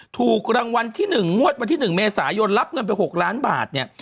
ถูกรางวัลที่๑งวดวันที่๑เมษายนรับเงินไป๖ล้านบาทเนี่ย